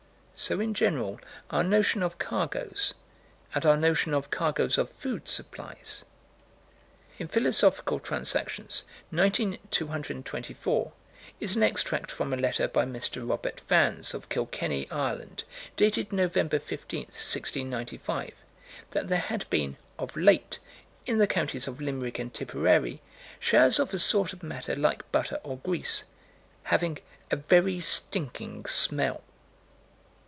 So in general our notion of cargoes and our notion of cargoes of food supplies: In Philosophical Transactions, 19 224, is an extract from a letter by Mr. Robert Vans, of Kilkenny, Ireland, dated Nov. 15, 1695: that there had been "of late," in the counties of Limerick and Tipperary, showers of a sort of matter like butter or grease... having "a very stinking smell."